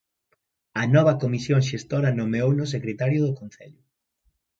A nova Comisión xestora nomeouno secretario do concello.